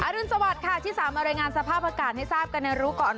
รุนสวัสดิ์ค่ะที่สามารถรายงานสภาพอากาศให้ทราบกันในรู้ก่อน